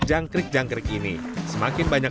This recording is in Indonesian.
jangkrik jangkrik ini semakin banyak